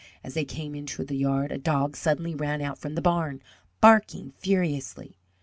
As they came into the yard a dog suddenly ran out from the barn, barking furiously.